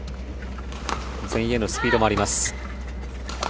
前衛のスピードもあります。